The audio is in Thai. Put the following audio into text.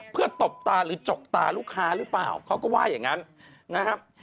เพื่อตบตาหรือจกตาลูกค้าหรือเปล่าเขาก็ว่าอย่างนั้นนะครับ